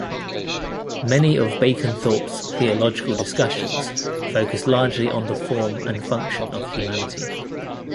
Many of Baconthorpe's theological discussions focus largely on the form and function of humanity.